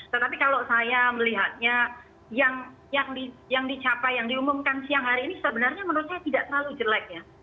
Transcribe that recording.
tetapi kalau saya melihatnya yang dicapai yang diumumkan siang hari ini sebenarnya menurut saya tidak terlalu jelek ya